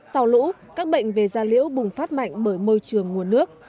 sau lũ các bệnh về gia liễu bùng phát mạnh bởi môi trường nguồn nước